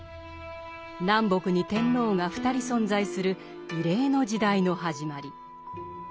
南北に天皇が２人存在する異例の時代の始まり。